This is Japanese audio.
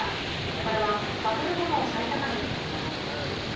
これはバブル後の最高値でもあります。